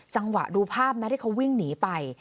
จังหวะดูภาพนะที่เขาวิ่งหนีไป